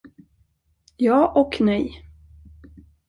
Ja och nej.